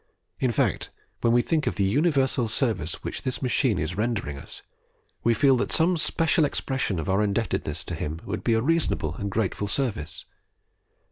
In fact, when we think of the universal service which this machine is rendering us, we feel that some special expression of our indebtedness to him would be a reasonable and grateful service.